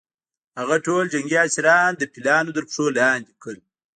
هغه ټول جنګي اسیران د پیلانو تر پښو لاندې کړل.